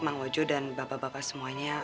mang wajo dan bapak bapak semuanya